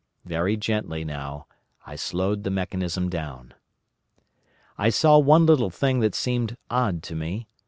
Very gently, now, I slowed the mechanism down. "I saw one little thing that seemed odd to me.